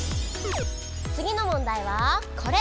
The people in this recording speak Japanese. つぎのもんだいはこれ！